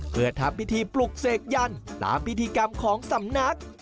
เพื่อทำพิธีปลุกเสกยันตามพิธีกรรมของสำนัก